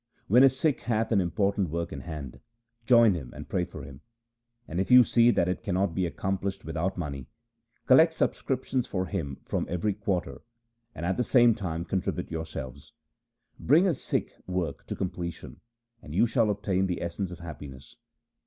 When a Sikh hath an important work in hand, join him and pray for him ; and if you see that it cannot be accomplished without money, collect subscriptions for him from every quarter, and at the same time contribute yourselves. Bring a Sikh work to completion, and you shall obtain the essence of happiness.